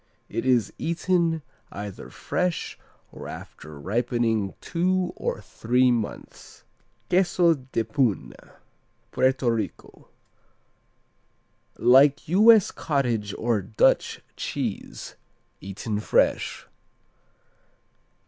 It is eaten either fresh or after ripening two or three months. Queso de Puna Puerto Rico Like U.S. cottage or Dutch cheese, eaten fresh.